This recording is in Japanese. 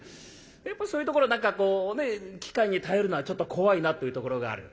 やっぱそういうところ何かこうね機械に頼るのはちょっと怖いなというところがある。